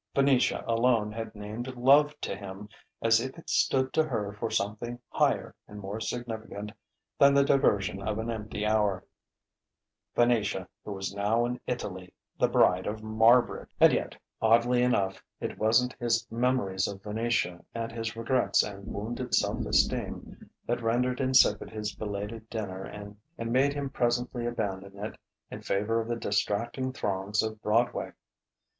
Venetia alone had named Love to him as if it stood to her for something higher and more significant than the diversion of an empty hour Venetia who was now in Italy, the bride of Marbridge! And yet, oddly enough, it wasn't his memories of Venetia and his regrets and wounded self esteem that rendered insipid his belated dinner and made him presently abandon it in favour of the distracting throngs of Broadway.